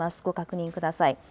ご確認ください。